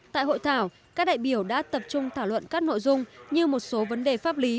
tại hội thảo các đại biểu đã tập trung thảo luận các nội dung như một số vấn đề pháp lý